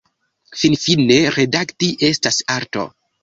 Finfine, redakti estas arto.